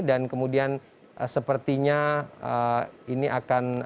dan kemudian sepertinya ini akan